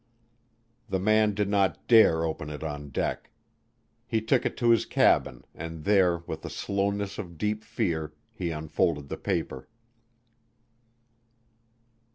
The man did not dare open it on deck. He took it to his cabin and there with the slowness of deep fear, he unfolded the paper.